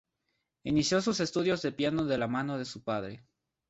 Inició sus estudios de piano de la mano de su padre.